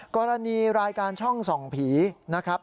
กรณีรายการช่องส่องผีนะครับ